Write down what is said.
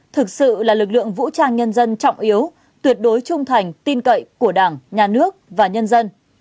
thực sự là lực lượng vũ trang nhân dân trọng yếu tuyệt đối trung thành tin cậy của đảng nhà nước và nhân dân